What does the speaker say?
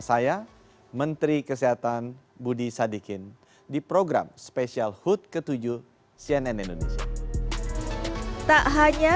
saya menteri kesehatan budi sadikin di program spesial hut ke tujuh cnn indonesia tak hanya